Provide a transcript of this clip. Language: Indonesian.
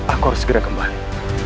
aku harus segera kembali